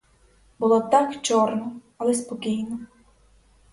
Було там чорно, але спокійно.